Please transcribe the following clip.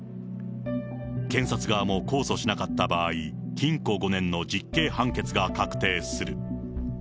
検察側も控訴しなかった場合、禁錮５年の実刑判決が確定する。